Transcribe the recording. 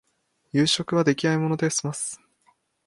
夕食は出来合いのもので済ます